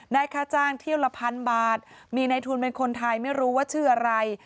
ค่าจ้างเที่ยวละพันบาทมีในทุนเป็นคนไทยไม่รู้ว่าชื่ออะไร